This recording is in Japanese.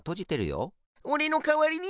おれのかわりに？